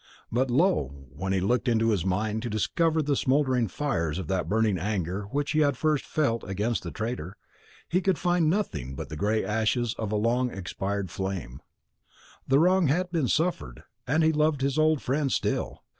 But, lo, when he looked into his mind to discover the smouldering fires of that burning anger which he had felt at first against the traitor, he could find nothing but the gray ashes of a long expired flame. The wrong had been suffered, and he loved his old friend still.